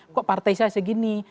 kok partai saya segini